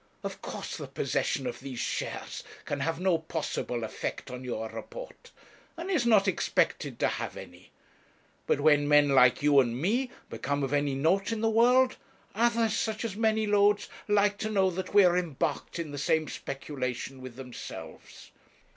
Of course the possession of these shares can have no possible effect on your report, and is not expected to have any. But when men like you and me become of any note in the world, others, such as Manylodes, like to know that we are embarked in the same speculation with themselves.